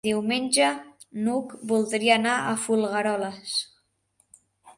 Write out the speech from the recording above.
Diumenge n'Hug voldria anar a Folgueroles.